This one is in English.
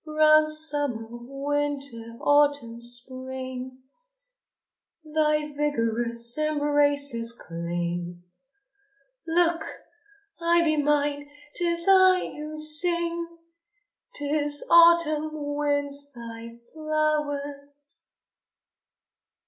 Round Summer, Winter, Autumn, Spring, Thy vigorous embraces cling. Look! Ivy mine, 'tis I who sing, 'Tis Autumn wins thy flowers!